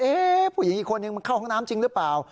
ผู้หญิงอีกคนนึงมันเข้าห้องน้ำจริงหรือเปล่า